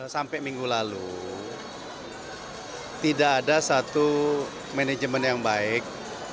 sampai minggu lalu tidak ada satu manajemen yang baik